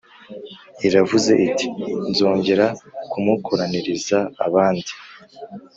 iravuze iti Nzongera kumukoraniriza abandi